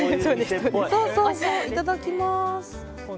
いただきます。